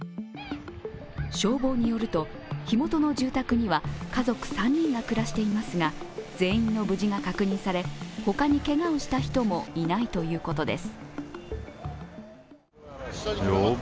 消防によると、火元の住宅には家族３人が暮らしていますが全員の無事が確認され、他にけがをした人もいないということです。